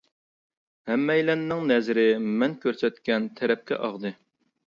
ھەممەيلەننىڭ نەزىرى مەن كۆرسەتكەن تەرەپكە ئاغدى.